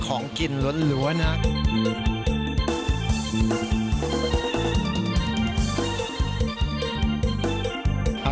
ของกินล้วนนะ